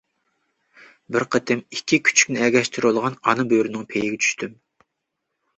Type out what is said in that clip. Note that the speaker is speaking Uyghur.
بىر قېتىم ئىككى كۈچۈكنى ئەگەشتۈرۈۋالغان ئانا بۆرىنىڭ پېيىگە چۈشتۈم.